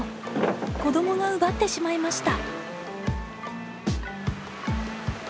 子どもが奪ってしまいました。